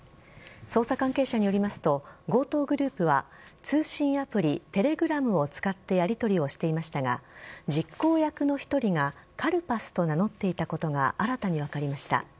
捜査関係者によりますと強盗グループは通信アプリテレグラムを使ってやりとりをしていましたが実行役の１人がカルパスと名乗っていたことが新たに分かりました。